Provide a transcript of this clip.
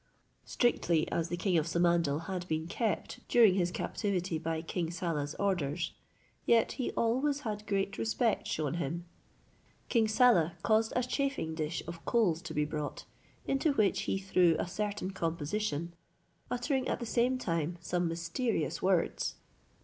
Strictly as the king of Samandal had been kept during his captivity by King Saleh's orders, yet he always had great respect shewn him. King Saleh caused a chafing dish of coals to be brought, into which he threw a certain composition, uttering at the same time some mysterious words.